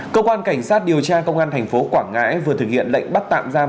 cơ quan cảnh sát điều tra công an thành phố quảng ngãi vừa thực hiện lệnh bắt tạm giam